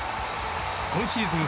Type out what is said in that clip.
今シーズン